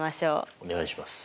お願いします。